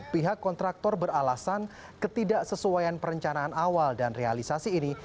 pihak kontraktor beralasan ketidaksesuaian perencanaan awal dan realisasi ini